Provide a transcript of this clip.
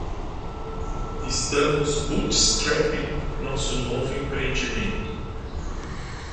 Estamos bootstrapping nosso novo empreendimento.